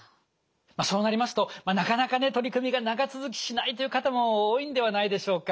そうなりますとなかなか取り組みが長続きしないという方も多いんではないでしょうか。